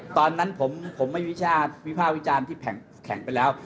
ตอนนั้นผมไม่วิชาวิภาควิจารณ์ที่แข็งไปแล้ว